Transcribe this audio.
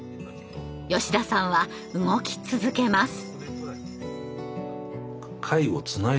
吉田さんは動き続けます。